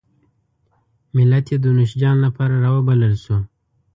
ملت یې د نوشیجان لپاره راوبلل شو.